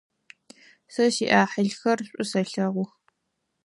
Сэ сиӏахьылхэр шӏу сэлъэгъух.